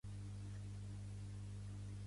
Pertany al moviment independentista el Guillem?